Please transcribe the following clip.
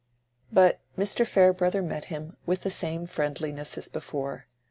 But Mr. Farebrother met him with the same friendliness as before.